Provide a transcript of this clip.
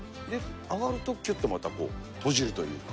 上がると、きゅっとまた閉じるというか。